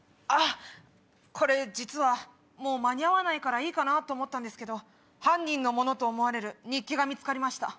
これ実はもう間に合わないからいいかなと思ったんですけど犯人の物と思われる日記が見つかりました。